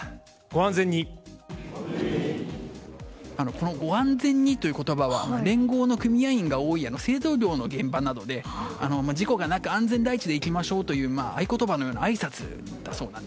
この「ご安全に」という言葉は連合の組合員が多い製造業の現場などで、事故がなく安全第一でいきましょうという合言葉のようなあいさつです。